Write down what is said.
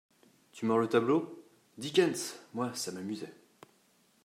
Tu mords le tableau ? Dickens ! Moi, ça m’amusait.